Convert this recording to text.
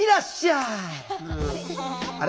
あれ？